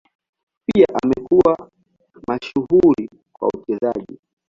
Pia amekuwa mashuhuri kwa uchezaji.